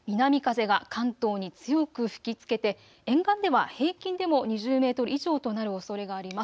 南風が関東に強く吹きつけて沿岸では平均でも２０メートル以上となるおそれがあります。